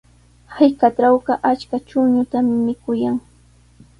Hallqatrawqa achka chuñutami mikuyan.